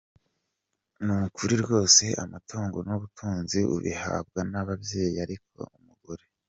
Nukuri rwose amatungo nubutunzi ubihabwa nababyeyi ariko umugore.